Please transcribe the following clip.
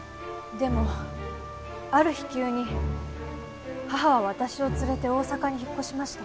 でもある日急に母は私を連れて大阪に引っ越しました。